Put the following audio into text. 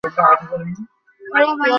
সবসময় বলনা আমাকে?